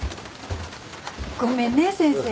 ごめんね先生。